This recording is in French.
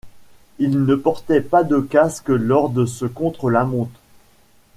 Il ne portait pas de casque lors de ce contre-la-montre.